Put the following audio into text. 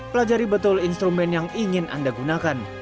pelajari betul instrumen yang ingin anda gunakan